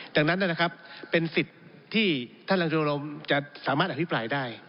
ดังนั้นนะครับเป็นสิทธิ์ที่ท่านรังชมรมจะสามารถอภิปรายได้